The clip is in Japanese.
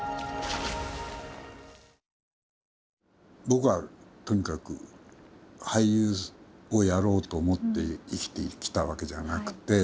僕はとにかく俳優をやろうと思って生きてきたわけじゃなくて。